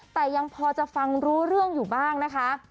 แต่ยังพอจะฟังรู้เรื่องอยู่บ้างนะคะ